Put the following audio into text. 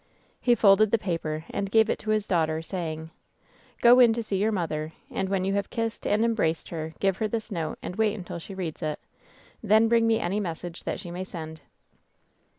He folded the paper and gave it to his daughter, say ing: "Go in to see your mother, and when you have kissed and embraced her give her this note, and wait until she reads it. Then bring me any message that she may send."